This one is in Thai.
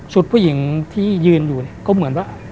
ผู้หญิงที่ยืนอยู่ก็เหมือนว่า